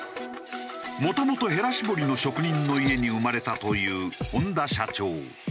もともとへら絞りの職人の家に生まれたという本多社長。